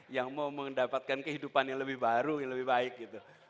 yang mau mendapatkan kehidupan yang lebih baru yang lebih baik gitu